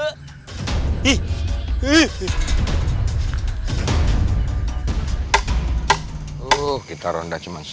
tuh kita ronda cuma